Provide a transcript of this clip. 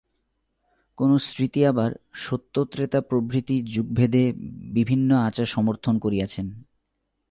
কোন স্মৃতি আবার সত্য-ত্রেতা প্রভৃতি যুগভেদে বিভিন্ন আচার সমর্থন করিয়াছেন।